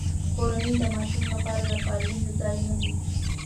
کورنۍ د ماشوم لپاره د پالنې ځای نه دی.